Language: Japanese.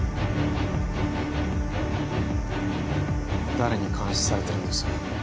誰に監視されてるんです？